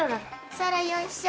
そらよいしょ。